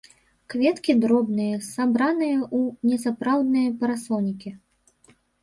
Кветкі дробныя, сабраныя ў несапраўдныя парасонікі.